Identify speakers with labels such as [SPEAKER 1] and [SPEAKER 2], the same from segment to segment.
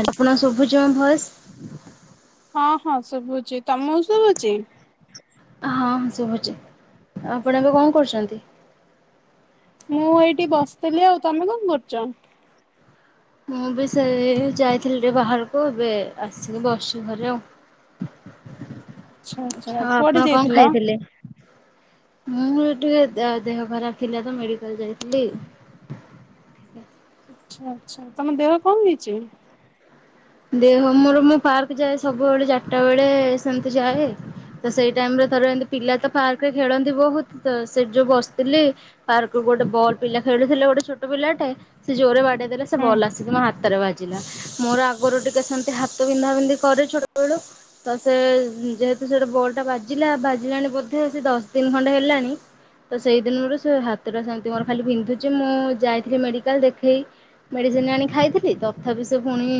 [SPEAKER 1] ଆପଣଙ୍କୁ ଶୁଭୁଛି ମୋ ଭଏସ୍?
[SPEAKER 2] ହଁ-ହଁ ଶୁଭୁଚି, ତମକୁ ଶୁଭୁଚି?
[SPEAKER 1] ହଁ-ହଁ ଶୁଭୁଚି, ଆପଣ ଏବେ କଣ କରୁଚନ୍ତି?
[SPEAKER 2] ମୁଁ ଏଇଠି ବସିଥିଲି ଆଉ, ତମେ କଣ କରୁଚ?
[SPEAKER 1] ମୁଁ ବି ସେଇ ଯାଇଥିଲି ଟିକେ ବାହାରକୁ ଏବେ ଆସିକି ବସ୍ଚି ଘରେ ଆଉ।
[SPEAKER 2] ଆଚ୍ଛା-ଆଚ୍ଛା
[SPEAKER 1] ଆଚ୍ଛା ଆଉ
[SPEAKER 2] କୁଆଡେ
[SPEAKER 1] ଆପଣ କଣ
[SPEAKER 2] ଯାଇଥିଲ?
[SPEAKER 1] ଖାଇଥିଲେ? ମୁଁ [unintelligible] ଟିକେ ଦେ ଦେହ ଖରାପ୍ ଥିଲା ତ ମେଡିକାଲ୍ ଯାଇଥିଲି।
[SPEAKER 2] ଆଚ୍ଛା-ଆଚ୍ଛା, ତମ ଦେହ କଣ ହେଇଚି?
[SPEAKER 1] ଦେହ ମୋର ମୁଁ ପାର୍କ ଯାଏ ସବୁବେଳେ ଚାରିଟା ବେଳେ ସେମ୍ତି ଯାଏ। ତ ସେଇ ଟାଇମ୍ ରେ ଥରେ ଏନ୍ତି ପିଲା ତ ପାର୍କରେ ଖେଳନ୍ତି ବହୁତ୍ ତ ସେଇଠି ଯୋଉ ବସିଥିଲି ପାର୍କରୁ ଗୋଟେ ବଲ୍ ପିଲା ଖେଳୁଥିଲେ ଗୋଟେ ଛୋଟ ପିଲାଟେ ସେ ଜୋରେ ବାଡେଇ ଦେଲା ସେ ବଲ୍
[SPEAKER 2] ଆଚ୍ଛା
[SPEAKER 1] ଆସିିକି ମୋ ହାତରେ ବାଜିଲା ମୋର ଆଗରୁ ଟିକେ ସେମ୍ତି ହାତ ବିନ୍ଧା ବିନ୍ଧି କରେ ଛୋଟବେଳୁ। ତ ସେ ଯେହେତୁ ସେଟା ବଲ୍ ଟା ବାଜିଲା ବାଜିଲାଣି ବୋଧେ ସେ ଦଶ୍ ଦିନ୍ ଖଣ୍ଡେ ହେଲାଣି। ତ ସେଇ ଦିନରୁ ସେ ହାତଟା ସେମ୍ତି ମୋର ଖାଲି ବିନ୍ଧୁଚି, ମୁଁ ଯାଇଥିଲି ମେଡିକାଲ୍ ଦେଖେଇ ମେଡିସିନି ଆଣି ଖାଇଥିଲି ତଥାପି ସେ ପୁଣି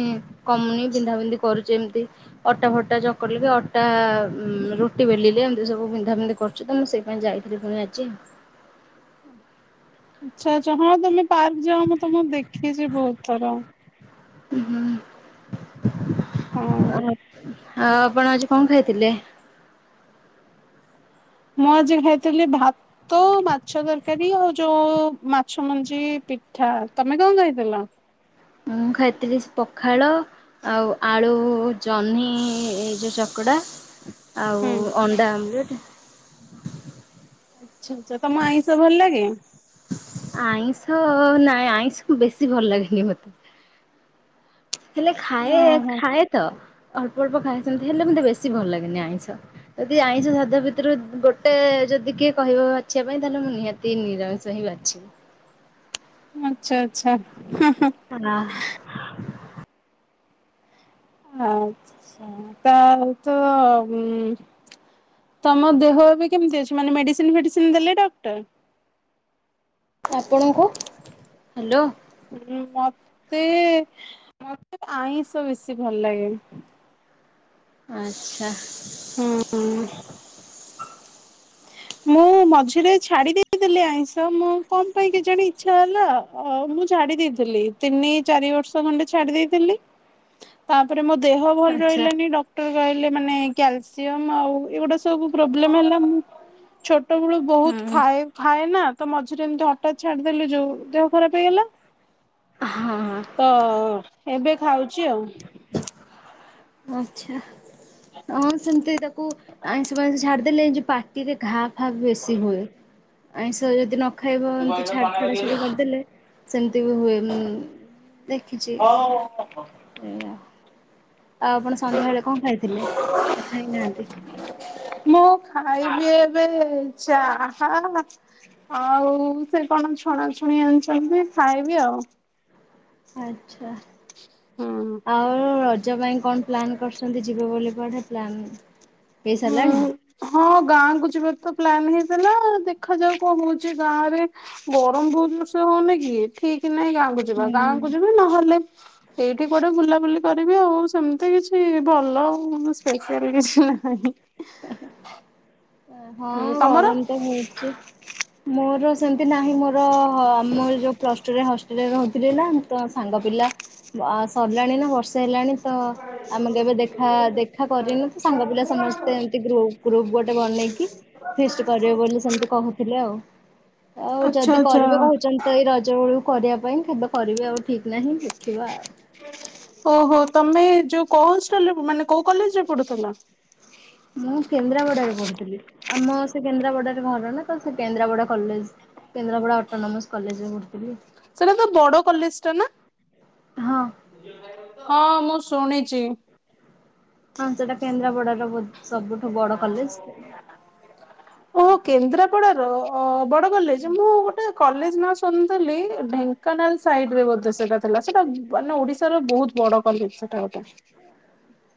[SPEAKER 1] କମୁନି ବିନ୍ଧା ବିିନ୍ଧି କରୁଚି ଏମ୍ତି। ଅଟା ଫଟା ଚକଟିଲେ କି ଅଟା ଉଁ ରୁଟି ବେଲିଲେ ଏମ୍ତି ସବୁ ବିନ୍ଧା ବିନ୍ଧି କରୁ ଚି, ତ ମୁଁ ସେଇ ପାଇଁ ଯାଇଥିଲି ପୁଣି ଆଜି।
[SPEAKER 2] ଆଚ୍ଛା-ଆଚ୍ଛା ହଁ ତମେ ପାର୍କ ଯାଅ ମୁଁ ତମକୁ ଦେଖିଚି ବହୁତ୍ ଥର।
[SPEAKER 1] ହୁଁ [unintelligible]
[SPEAKER 2] ହଁ
[SPEAKER 1] ଆଉ ଆପଣ ଆଜି କଣ ଖାଇଥିଲେ?
[SPEAKER 2] ମୁଁ ଆଜି ଖାଇଥିଲି ଭା ତ ମାଛ ତରକାରୀ ଆଉ ଯୋଉ ମାଛ ମଞ୍ଜି ପିଠା, ତମେ କଣ ଖାଇଥେଲ?
[SPEAKER 1] ମୁଁ ଖାଇଥିଲି ସେ ପଖାଳ ଆଉ ଆଳୁ ଜହ୍ନି ଏ ଯୋଉ ଚକଡା। ଆଉ
[SPEAKER 2] ହୁଁ
[SPEAKER 1] ଅଣ୍ଡା ଆମ୍ଲେଟ୍।
[SPEAKER 2] ଆଚ୍ଛା-ଆଚ୍ଛା ତମୁକୁ ଆଇଁଷ ଭଲ୍ ଲାଗେ?
[SPEAKER 1] ଆଇଁଷ ନାଇଁ ଆଇଁଷ ବେଶୀ ଭଲ୍ ଲାଗେନି ମତେ। ହେଲେ
[SPEAKER 2] ଓହୋ
[SPEAKER 1] ଖାଏ-ଖାଏ ତ ଅଳ୍ପ-ଅଳ୍ପ ଖାଏ ସେମ୍ତି ହେଲେ ମତେ ବେଶୀ ଭଲ୍ ଲାଗେନି ଆଇଁଷ। ଯଦି ଆଇଁଷ ସାଧା ଭିତୁରୁ ଗୋଟେ ଯଦି କିଏ କହିବ ବାଛିବା ପାଇଁ ତାହେଲେ ମୁଁ ନିହାତି ତି ନିରାମିଶ ହିଁ ବାଛି
[SPEAKER 2] ଆଚ୍ଛା-ଆଚ୍ଛା [unintelligible]
[SPEAKER 1] [unintelligible]
[SPEAKER 2] ଆଚ୍ଛା, [unintelligible] ତ ଉଁ ତମ ଦେହ ଏବେ କେମ୍ତି ଅଛି, ମାନେ ମେଡିସିନ୍ ଫେଡିସିନ୍ ଦେଲେ ଡକ୍ଟର୍?
[SPEAKER 1] ଆପଣଙ୍କୁ।
[SPEAKER 2] ହୁଁ ମତେ-ମତେ ଆଇଁଷ ବେଶୀ ଭଲ୍ ଲାଗେ।
[SPEAKER 1] ଆଚ୍ଛା।
[SPEAKER 2] ହୁଁ। ମୁଁ ମଝିରେ ଛାଡି ଦେଇଥିଲିି ଆଇଁଷ, ମୁଁ କଣ ପାଇଁ କେଜାଣି ଇଚ୍ଛା ହେଲା। ଅ ମୁଁ ଛାଡି ଦେଇଥିଲି ତିନି ଚାରି ବର୍ଷ ଖଣ୍ଡେ ଛାଡି ଦେଇଥିଲି। ତାପରେ ମୋ ଦେହ ଭଲ
[SPEAKER 1] ଆଚ୍ଛା।
[SPEAKER 2] ରହିଲାନି, ଡ କ୍ଟର କହିଲେ ମାନେ କ୍ୟାଲସିୟମ୍ ଆଉ ଏଗୁଡା ସବୁ ପ୍ରୋବ୍ଲେମ୍ ହେଲା, ମୁଁ ଛୋଟବେଳୁ ବହୁତ
[SPEAKER 1] ହୁଁ।
[SPEAKER 2] ଖାଏ। ଖାଏ ନା ତ ମଝିରେ ଏମିତି ହଠାତ୍ ଛାଡିଦେଲି ଯୋଉ ଦେହ ଖରାପ ହେଇଗଲା।
[SPEAKER 1] ହଁ।
[SPEAKER 2] ତ ଏବେ ଖାଉଛି ଆଉ।
[SPEAKER 1] ଆଚ୍ଛା। ହଁ ସେମିତି ତାକୁ ଆଇଁଷ ଫାଇଁସ ଛାଡ଼ିଦେଲେ ଯେଉଁ ପାଟିରେ ଘା [unintelligible] ବେଶୀ ହୁଏ ଆଇଁଷ ଯଦି ନ ଖାଇବ ଏମତି ଛା ଛଡା ଛଡି କରିଦେଲେ ସେମିତି ବି ହୁଏ ମୁଁ ଦେଖିଛି।
[SPEAKER 2] [unintelligible]
[SPEAKER 1] ଏଇଆ। ଆଉ ଆପଣ ସନ୍ଧ୍ୟାବେଳେ କଣ ଖାଇଥିଲେ ନା ଖାଇନାହାନ୍ତି?
[SPEAKER 2] ମୁଁ ଖାଇବି ଏବେ ଚାହା ଆଉ ସେ କଣ ଛଣାଛଣି ଆଣିଛନ୍ତି ଖାଇବି ଆଉ।
[SPEAKER 1] ଆଚ୍ଛା ଆଉ ରଜ ପାଇଁ କଣ ପ୍ଲାନ୍ କରୁଛନ୍ତି ଯିବେ ବୋଲି କୁଆଡେ ପ୍ଲାନ୍
[SPEAKER 2] ହୁଁ
[SPEAKER 1] ହେଇସାରିଲାଣି?
[SPEAKER 2] ହଁ ଗାଁକୁ ଯିବାର ତ ପ୍ଲାନ ହେଇଥିଲା। ଦେଖ ଯାଉ କଣ ହଉଛି ଗାଁରେ ଗରମ ବହୁତ ଜୋରସେ ହଉନି କି ଠିକ ନାହିଁ ଗାଁ କୁ ଯିବା ଗାଁ କୁ
[SPEAKER 1] ହୁଁ।
[SPEAKER 2] ଯିବି ନହେଲେ ଏଇଠି କୁଆଡେ ବୁଲାବୁଲି କରିବି ଆଉ ସେମିତି କିଛି ଭଲ ଆଉ ସ୍ପେସିଆଲ କିଛି ନାହିଁ।
[SPEAKER 1] ହଁ
[SPEAKER 2] ହୁଁ ତମର
[SPEAKER 1] ଗରମ ତ ହଉଛି। ମୋର ସେମତି ନାହିଁ ମୋର ଆମର ଯୋଉ ପ୍ଲସ୍ ଟୁରେ ହଷ୍ଟେଲରେ ରହୁଥିଲି ନାଁ ତ ସାଙ୍ଗ ପିଲା ଆ ସରିଲାଣି ନା ବର୍ଷେ ହେଲାଣି। ତ ଆମେ କେବେ ଦେଖା, ଦେଖା କରିନୁ ତ ସାଙ୍ଗ ପିଲା ସମସ୍ତେ ଏମତି ଗ୍ରୁପ ଗ୍ରୁପ୍ ଗୋଟେ ବନେଇକି ଫିଷ୍ଟ କରିବେ ବୋଲି ସେମତି କହୁଥିଲେ ଆଉ। ଆଉ
[SPEAKER 2] ଆଚ୍ଛା
[SPEAKER 1] ଯଦି କରିବେ
[SPEAKER 2] ଆଚ୍ଛା।
[SPEAKER 1] କହୁଛନ୍ତି। ତ ଏଇ ରଜ ବେଳକୁ କରିବା ପାଇଁ କେବେ କରିବେ ଆଉ ଠିକ ନାହିଁ ଦେଖିବା ଆଉ।
[SPEAKER 2] ଓହୋ ତମେ ଯୋଉ କୋଉ ସ୍କୁଲରେ ମାନେ କୋଉ କଲେଜରେ ପଢୁଥିଲ?
[SPEAKER 1] ମୁଁ କେନ୍ଦ୍ରାପଡାରେ ପଢ଼ିଥିଲି ଆମ ସେ କେନ୍ଦ୍ରାପଡାରେ ଘର ନା ତ ସେ କେନ୍ଦ୍ରାପଡା କଲେଜ। କେନ୍ଦାପଡା ଅଟୋନମୋସ କଲେଜରେ ପଢୁଥିଲି।
[SPEAKER 2] ସେଇଟା ତ ବଡ କଲେଜ ଟା ନା?
[SPEAKER 1] ହଁ
[SPEAKER 2] ହଁ ମୁଁ ଶୁଣିଛି।
[SPEAKER 1] ହଁ ସେଟା କେନ୍ଦ୍ରାପଡାର ବୋଧେ ସବୁଠୁ ବଡ କଲେଜ।
[SPEAKER 2] ଓ ହୋ କେନ୍ଦ୍ରାପଡାର ଅ ବଡ କଲେଜ ମୁଁ ଗୋଟେ କଲେଜ ନାଁ ଶୁଣିଥିଲି। ଢେଙ୍କାନାଳ ସାଇଡରେ ବୋଧେ ସେଇଟା ଥିଲା ସେଟା ମାନେ ଓଡିଶାର ବହୁତ ବଡ କଲେଜ ସେଟା ଗୋଟା।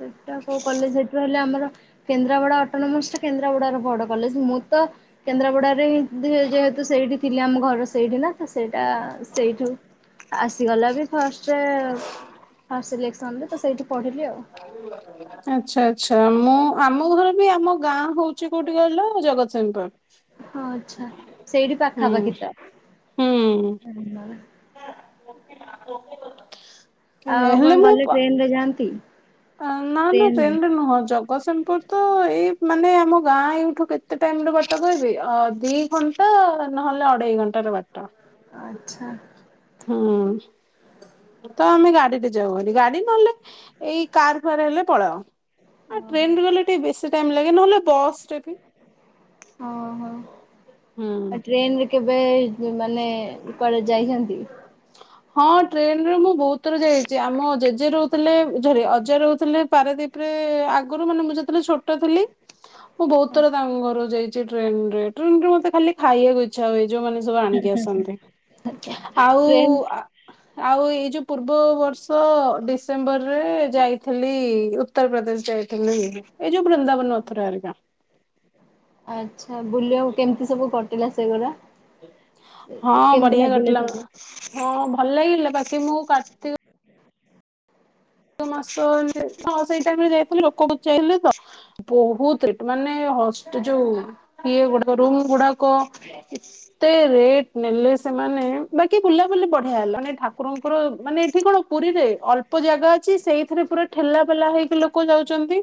[SPEAKER 1] ସେଟା କୋଉ କଲେଜ ହେଇଥିବ ହେଲେ ଆମର କେନ୍ଦ୍ରାପଡା ଅଟୋନୋମସ ତ କେନ୍ଦ୍ରାପଡାର ବଡ କଲେଜ ମୁଁ ତ କେନ୍ଦ୍ରାପଡାରେ ହିଁ ଯେ ଯେହେତୁ ସେଇଠି ଥିଲି ଆମ ଘର ସେଇଠି ନା ତ ସେଇଟା ସେଇଠୁ ଆସିଗଲା ବି ଫାଷ୍ଟରେ ଫାଷ୍ଟ ସିଲେକ୍ସନରେ ତ ସେଇଠି ପଢିଲି ଆଉ।
[SPEAKER 2] [unintelligible] ଆଚ୍ଛା ଆଚ୍ଛା ମୁଁ ଆମ ଘର ବି ଆମ ଗାଁ ହଉଛି କୋଉଠି କହିଲ ଜଗତସିଂହପୁର।
[SPEAKER 1] ହଁ ଆଚ୍ଛା ସେଇଠି
[SPEAKER 2] ହୁଁ
[SPEAKER 1] ପାଖାପାଖି ତ।
[SPEAKER 2] ହୁଁ। [unintelligible]
[SPEAKER 1] ଆଉ ଆପଣ କଲେଜ ଟ୍ରେନରେ ଯାଆନ୍ତି?
[SPEAKER 2] ନ ନା ଟ୍ରେନରେ ନୁହ। ହଁ ଜଗସିଂହପୁର ତ ଏଇ ମାନେ ଆମ ଗାଁ ଏଇଠୁ କେତେ ଟାଇମର ବାଟ କି ଯେ ଦି ଘଣ୍ଟା ତ ନହେଲେ ଅଢେଇ ଘଣ୍ଟାର ବାଟ।
[SPEAKER 1] ଆଚ୍ଛା।
[SPEAKER 2] ହୁଁ ତ ଆମେ ଗାଡିରେ ଯାଉଭାରି। ଗାଡି ନହେଲେ ଏଇ କାରଫାର ହେଲେ ପଳାଉ ଆ
[SPEAKER 1] ଓହୋ ହଁ
[SPEAKER 2] ଟ୍ରେନରେ ଗଲେ ଟିକେ ବେଶୀ ଟାଇମ ଲାଗେ। ନହେଲେ ବସରେ ବି
[SPEAKER 1] ହଁ -ହଁ
[SPEAKER 2] ହୁଁ
[SPEAKER 1] ଆଉ ଟ୍ରେନରେ କେବେ ଏଇ ମାନେ କୁଆଡ଼େ ଯାଇଛନ୍ତି।
[SPEAKER 2] ହ ହଁ ଟ୍ରେନରେ ମୁଁ ବହୁତ ଥର ଯାଇଛି। ଆମ ଜେଜେ ରହୁଥିଲେ। ସରି ଅଜା ରହୁଥିଲେ ପାରାଦ୍ୱୀପ ରେ ଆଗରୁ ମାନେ ମୁଁ ଯେତେବେଳେ ଛୋଟ ଥିଲି। ମୁଁ ବହୁତ ଥର ତାଙ୍କ ଘରକୁ ଯାଇଛି। ଟ୍ରେନରେ ଟ୍ରେନରେ ମତେ ଖାଲି ଖାଇବାକୁ ଇଚ୍ଛା ହୁଏ। ଯୋଉମାନେ ସବୁ ଆ କି ଆସନ୍ତି। ଆଉ
[SPEAKER 1] ଟ୍ରେନ
[SPEAKER 2] ଆ ଆଉ ଏଇ ଯୋଉ ପୂର୍ବ ବର୍ଷ ଡିସେମ୍ବରରେ ଯାଇଥିଲି। ଉ ଉତ୍ତରପ୍ରଦେଶ ଯାଇଥିଲୁ। ଏଇ ଯୋଉ ବୃନ୍ଦାବନ ମଥୁରା ହେରିକା
[SPEAKER 1] ଆଚ୍ଛା! ବୁଲିବା କେମିତି ସବୁ କଟିଲା ସେଗୁଡା
[SPEAKER 2] ହଁ ବଢିଆ କଟିଲା।
[SPEAKER 1] ସବୁ?
[SPEAKER 2] ହଁ ଭଲ ଲାଗିଲା ତାକି ମୁଁ କାକି ମାସ ହ ହଁ ସେଇ ଟାଇମରେ ଯାଇଥିଲି। ଲୋକ ଲୁଚାଇଲେ ତ ବହୁତ ରେଟ୍ ମାନେ ହଷ୍ଟେ ଯୋଉ
[SPEAKER 1] ଆଚ୍ଛା,
[SPEAKER 2] ଇଏ ଗୁଡାକ ରୁମ୍ ଗୁଡାକ [inaudible] ଏତେ ରେଟ ନେଲେ ସେମାନେ ବାକି ବୁଲାବୁଲି ବଢିଆ ହେଲା ମାନେ ଠାକୁରଙ୍କର ମାନେ ଏଠି କଣ ପୁରୀରେ ଅଳ୍ପ ଜାଗା ଅଛି। ସେଇଥିରେ ପୁରା ଠେଲା ପେଲା ହେଇକି ଲୋକ କ ଯାଉଛନ୍ତି।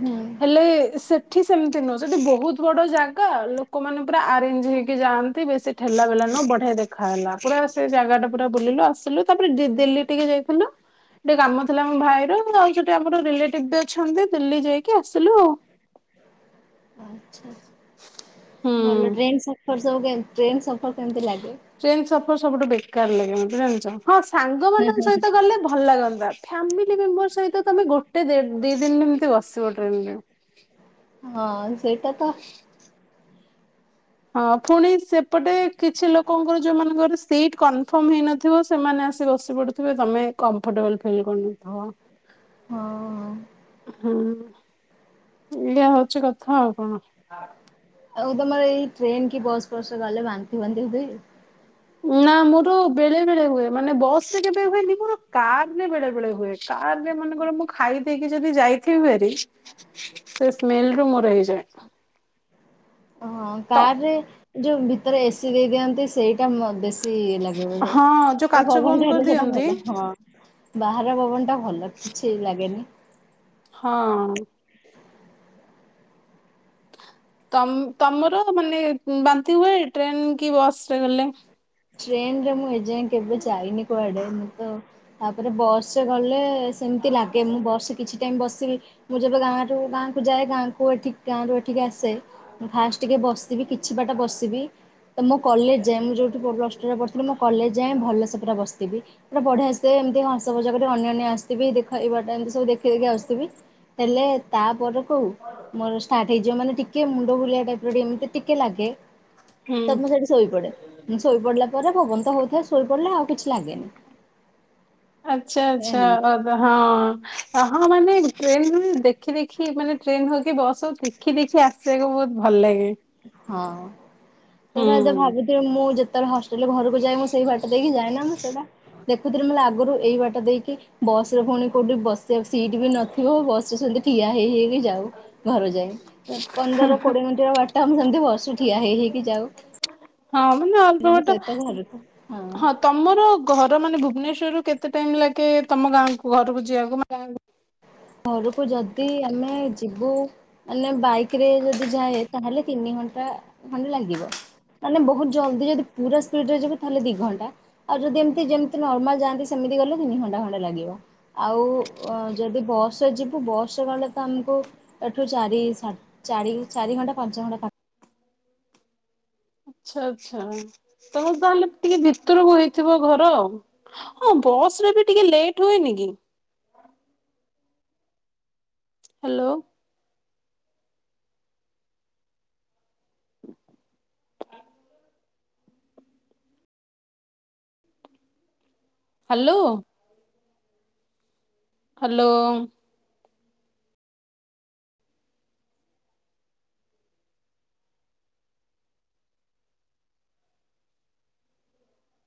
[SPEAKER 1] ହୁଁ
[SPEAKER 2] ହେଲେ ସେ ସେଠି ସେମିତି ନୁହଁ। ସେଠି ବହୁତ ବଡ ଜାଗା ଥାନ୍ତା ଲୋକମାନେ ପୁରା ଆରେଞ୍ଜ ହେଇକି ଯାଆନ୍ତି। ବେଶୀ ଠେଲା ପେଲା ନୁହ ବଢିଆ ଦେଖା ହେଲା। ପୁରା ସେ ଜାଗା ଟା ପୁରା ବୁଲିଲୁ। ଆସିଲୁ ତାପରେ ଦି- ଦିଲ୍ଲୀ ଟିକେ ଯାଇଥିଲୁ। ଟିକେ କାମ ଥିଲା ଆମ ଭାଇର ଆଉ ସେଠି ଆମର ରିଲେଟିଭ ବି ଅଛନ୍ତି। ଦିଲ୍ଲୀ ଯାଇକି କି ଆସିଲୁ। ଆଉ
[SPEAKER 1] ଆଛା!
[SPEAKER 2] ହୁଁ
[SPEAKER 1] ଭଲ ଡ୍ରେନ୍ ସ ଫେର୍ ସବୁ କେ ଟ୍ରେନ ସଫର କେମିତି ଲାଗେ
[SPEAKER 2] ଟ୍ରେନ୍ ସଫର ସବୁଠୁ ବେକାର ଲାଗେ ମତେ ଜାଣିଛ। ହଁ
[SPEAKER 1] ହୁଁ
[SPEAKER 2] ସାଙ୍ଗମାନଙ୍କ
[SPEAKER 1] ହୁଁ ହୁଁ।
[SPEAKER 2] ସହିତ ଗଲେ ଭଲ ଲାଗନ୍ତା। ଫ୍ୟାମିଲି ମେମ୍ବର ସହିତ ତମେ ଗୋଟେ ଦେ ଦି ଦିନ ଏମତି ବସିବ ଟ୍ରେନରେ
[SPEAKER 1] ହଁ ସେଇଟା ତ
[SPEAKER 2] ହଁ ପୁଣି ସେ ତେବେ କିଛି ଲୋକଙ୍କର ଯୋଉମାନଙ୍କର ସିଟ୍ କନଫର୍ମ ହେଇନଥିବ। ସେମାନେ ଆସି ବସି ପଡ଼ୁଥିବେ ତମେ କମ୍ଫର୍ଟେବୁଲ ଫିଲ୍ କରୁନଥିବ।
[SPEAKER 1] ହଁ- ହଁ
[SPEAKER 2] ହୁଁ, ଏଇଆ ହଉଛି କଥା ଆଉ କଣ
[SPEAKER 1] ଆଉ ତମର ଏଇ ଟ୍ରେନ କି ବସ୍ ଫସରେ ଗଲେ ବାନ୍ତି ଫାନ୍ତି ହୁଏ।
[SPEAKER 2] ନା ମୋର ବେଳେ ବେଳେ ହୁଏ। ମାନେ ବସରେ କେବେ ହୁଏନି ମୋର କାରରେ ବେଳେ ବେଳେ ହୁଏ। କାରରେ ମନେକର ମୁଁ ଖାଇ ଦେଇକି ଯଦି ଯାଇଥିବି ଭାରି ସେ ସ୍ମେଲରେ ମୋର ହେଇଯାଏ।
[SPEAKER 1] ହଁ
[SPEAKER 2] ତ
[SPEAKER 1] କାରରେ ଯୋଉ ଭିତରେ ଏସିି ଦେଇ ଦିଅନ୍ତି। ସେଇଟା ମ ବେଶୀ ଇଏ ଲାଗେ
[SPEAKER 2] ହଁ ଯୋଉ
[SPEAKER 1] ବୋଧେ
[SPEAKER 2] କାଚ ବନ୍ଦ
[SPEAKER 1] ପବନଟା ହେଲେ ସେଟା
[SPEAKER 2] କରିଦିଅନ୍ତି
[SPEAKER 1] ଭଲ ହଁ ବାହାର ପବନ ଟା ଭଲ କିଛି ଲାଗେନି।
[SPEAKER 2] ହଁ ତମ ତମର ମାନେ ବାନ୍ତି ହୁଏ। ଟ୍ରେନ କି ବସରେ ଗଲେ।
[SPEAKER 1] ଟ୍ରେନରେ ମୁଁ ଏଯାଏ କେବେ ଯାଇନି କୁଆଡେ, ମୁଁ ତ ତାପରେ ବସରେ ଗଲେ ସେମିତି ଲାଗେ ମୁଁ ବସ୍ ରେ କିଛି ଟାଇମ ବସିବି ମୁଁ ଯେବେ ଗାଁରୁ ଗାଁକୁ ଯାଏ ଗାଁକୁ ଏଠି ଗାଁରୁ ଏଠିକି ଆସେ ମୁଁ ଫାଷ୍ଟ ଟିକେ ବସିଥିବି କିଛି ବାଟ ବସିବି, ତ ମୋ କଲେଜ ଯାଏ ମୁଁ ଯୋଉ ପ୍ଲସ ଟୁ ରେ ପଢ଼ୁଥିଲି ମୋ କଲେଜ ଯାଏ ଭଲ ସେ ପୁରା ବସିଥିବି। ମାନେ ବଢିଆସେ ଏମିତି ହସ ମଜା କରି ଅନେଇ ଅନେଇ ଆସିଥିବି ଦେଖ ଏଇବାଟେ ଏମତି ସବୁ ଦେଖେଇ ଦେଖେଇ ଆସୁଥିବି। ହେଲେ ତାପରକୁ ମୋର ଷ୍ଟାର୍ଟ ହେଇଯିବ ମାନେ ଟିକେ ମୁଣ୍ଡ ବୁଲିଆ ଟାଇପର ଏମିତି ଟିକେ ଲାଗେ
[SPEAKER 2] ହୁଁ।
[SPEAKER 1] ତ ମୁଁ ସେଠି ଶୋଇ ପଡେ। ମୁ ଶୋଇ ପଡିଲା ପରେ ପବନ ତ ହଉଥାଏ ଶୋଇ ପଡିଲେ ଆଉ କିଛି ଲାଗେନି।
[SPEAKER 2] ଆଚ୍ଛା ଆଚ୍ଛା ଅ ହଁ ହଁ ମାନେ ଟ୍ରେନ ରୁ ବି ଦେଖି ଦେଖି ମାନେ ଟ୍ରେନ ହଉକି ବସ୍ ହଉ ଦେଖି ଦେଖି ଆସିବାକୁ ବହୁତ ଭଲ ଲାଗେ।
[SPEAKER 1] ହଁ। ସେଇଟା
[SPEAKER 2] ହୁଁ।
[SPEAKER 1] ଯେତେବେଳେ ଭାବୁଥିବୁ ମୁଁ ଯେତେବେଳେ ହଷ୍ଟେଲରେ ଘରକୁ ଯାଏ ମୁଁ ସେଇ ବାଟ ଦେଇକି ଯାଏନା ମୁଁ ସେଇଟା ଦେଖୁଥିଲି ମାନେ ଆଗରୁ ଏଇ ବାଟ ଦେଇକି ବସରେ ପୁଣି କୋଉଠି ବସ ସେ ସିଟ୍ ବି ନଥିବ ବସରେ ସେତି ଠିଆ ହେଇ ହେଇକି ଯାଉ। ଘରୁ ଯାଇ ପନ୍ଦର କୋଡିଏ ମିନିଟ ହବ ବାଟ ମୁଁ ସେମତି ବସୁ ଠିଆ ହେଇ ହେଇକି ଯାଉ।
[SPEAKER 2] ହଁ ମାନେ ଅଳ୍ପ
[SPEAKER 1] ପିଲାଙ୍କ
[SPEAKER 2] ବାଟ।
[SPEAKER 1] ସହିତ ଘରକୁ
[SPEAKER 2] ହଁ ତମର ଘର ମାନେ ଭୁବନେଶ୍ୱରରୁୁ କେତେ ଟାଇମ ଲାଗେ ତମ ଗାଁକୁ ଘରକୁ ଯିବାକୁ ମାନେ ଗାଁ କୁ
[SPEAKER 1] ଘରକୁ ଯଦି ଆମେ ଯିବୁ ମାନେ ବାଇକ ରେ ଯଦି ଯାଏ ତାହେଲେ ତିନି ଘଣ୍ଟା ଖଣ୍ଡେ ଲାଗିବ। ମାନେ ବହୁତ ଜଲ୍ଦି ଯଦି ପୁରା ସ୍ପିଡ ରେ ଯିବି ତାହେଲେ ଦି ଘଣ୍ଟା। ଆଉ ଯଦି ଏମତି ଯେମିତି ନର୍ମାଲ ଯାଆନ୍ତି ସେମିତି ଗଲେ ତିନି ଘଣ୍ଟା ଖଣ୍ଡେ ଲାଗିବ। ଆଉ ଉ ଯଦି ବସ୍ ସ ରେ ଯିବୁ ବସ ଗଲେ ତ ଆମକୁ ଏଠୁ ଚାରି ଚାରି ଚାରି ଘଣ୍ଟା ପାଞ୍ଚ ଘଣ୍ଟା ପା
[SPEAKER 2] ଆଚ୍ଛା ଆଛା ତମର ତାହେଲେ ଟିକେ ଭିତରକୁ ହେଇଥିବ ଘର ଉ। ଓ ବସରେ ବି ଟିକେ ଲେଟ ହୁଏନି କି? ହାଲୋ। [inaudible] ହାଲୋ। ହାଲୋ।